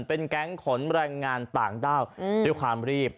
เป็นแก๊งขนแรงงานต่างด้าวด้วยความรีบ